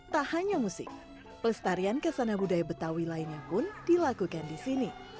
tak hanya musik pelestarian kesana budaya betawi lainnya pun dilakukan di sini